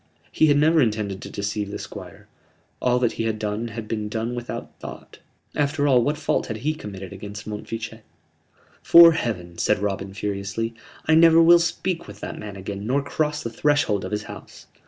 He had never intended to deceive the Squire: all that he had done had been done without thought. After all, what fault had he committed against Montfichet? "'Fore Heaven," said Robin, furiously, "I never will speak with that man again nor cross the threshold of his house!"